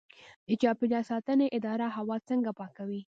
د چاپیریال ساتنې اداره هوا څنګه پاکوي؟